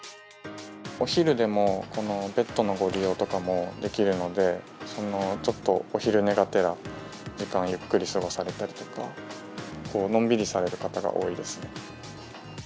お昼でもこのベッドのご利用とかもできるので、ちょっとお昼寝がてら、時間をゆっくり過ごされたりとか、のんびりされる方が多いですね。